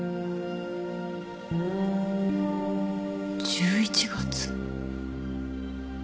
１１月。